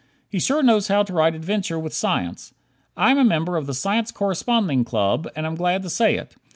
He sure knows how to write adventure with science. I am a member of the Science Corresponding Club and am glad to say it.